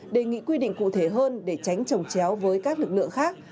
đề nghị quy định cụ thể hơn để tránh trồng chéo với các lực lượng khác